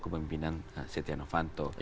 kepemimpinan stiano vanto